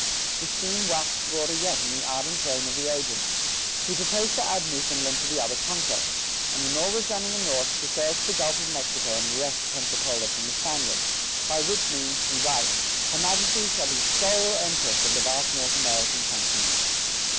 The scheme waxed broader yet in the ardent brain of the agent; he proposed to add Newfoundland to the other conquests, and when all was done in the North, to sail to the Gulf of Mexico and wrest Pensacola from the Spaniards; by which means, he writes, "Her Majesty shall be sole empress of the vast North American continent."